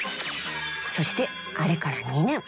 そしてあれから２年。